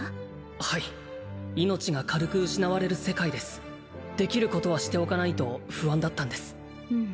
はい命が軽く失われる世界ですできることはしておかないと不安だったんです